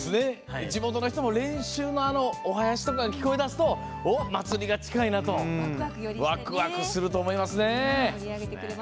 地元の人も練習のお囃子とか聞こえ出すとおっ、祭りが近いなとワクワクすると思いますね。